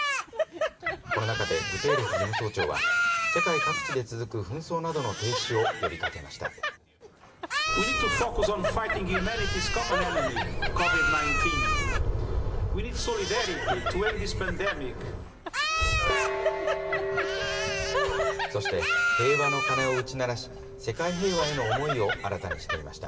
この中でグテーレス事務総長は世界各地で続く紛争などの停止を呼びかけました。